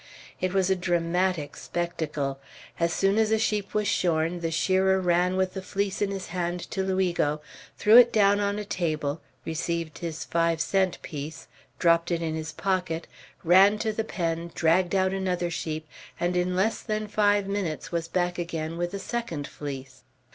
It was a dramatic spectacle. As soon as a sheep was shorn, the shearer ran with the fleece in his hand to Luigo, threw it down on a table, received his five cent piece, dropped it in his pocket, ran to the pen, dragged out another sheep, and in less than five minutes was back again with a second fleece.